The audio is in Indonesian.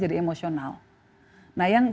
jadi emosional nah yang